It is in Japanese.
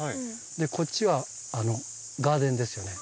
でこっちはガーデンですよね。